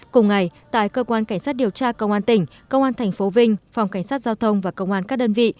cùng ngày tại cơ quan cảnh sát điều tra công an tỉnh công an tp vinh phòng cảnh sát giao thông và công an các đơn vị